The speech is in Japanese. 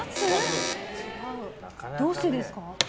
どうしてですか？